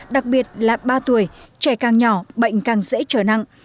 đặc biệt là ba tuổi trẻ càng nhỏ bệnh càng dễ trở nặng